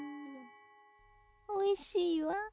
おいしいわ。